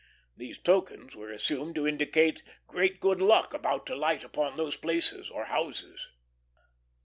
These tokens were assumed to indicate great good luck about to light upon those places or houses.